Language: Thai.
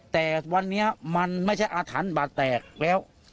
แต่วันนี้มันไม่ใช่อาถรรพ์บาดแตกแล้ว